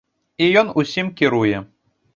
І ён усім кіруе.